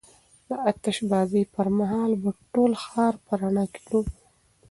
د آتش بازۍ پر مهال به ټول ښار په رڼا کې ډوب و.